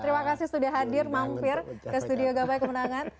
terima kasih sudah hadir mampir ke studio gapai kemenangan